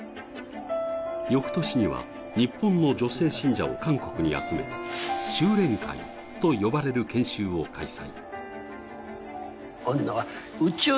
翌年には日本の女性信者を韓国に集め、修練会と呼ばれる研修を開催